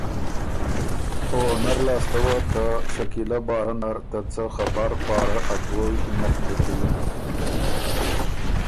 او نر لاسته وه ته شکیلۀ باره نر ته څه خبر پاره ا ګوی نک بُکِن